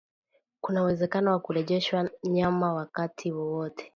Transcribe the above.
kuna uwezekano wa kurejeshwa Myanmar wakati wowote